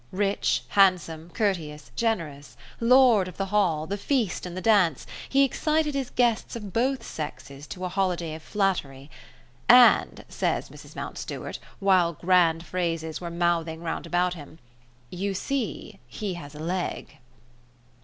Rich, handsome, courteous, generous, lord of the Hall, the feast and the dance, he excited his guests of both sexes to a holiday of flattery. And, says Mrs. Mountstuart, while grand phrases were mouthing round about him, "You see he has a leg."